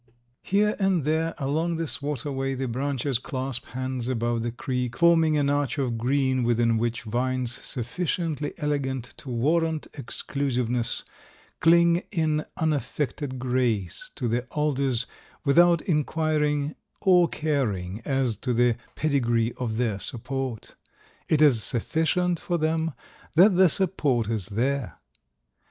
Here and there along this waterway the branches clasp hands above the creek, forming an arch of green within which vines sufficiently elegant to warrant exclusiveness cling in unaffected grace to the alders, without inquiring or caring as to the pedigree of their support. It is sufficient for them that the support is there.